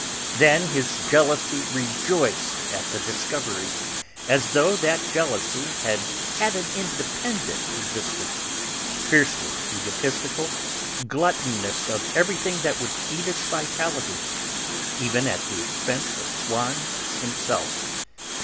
Then his jealousy rejoiced at the discovery, as though that jealousy had had an independent existence, fiercely egotistical, gluttonous of every thing that would feed its vitality, even at the expense of Swann himself.